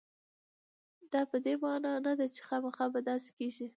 دا په دې معنا نه ده چې خامخا به داسې کېږي.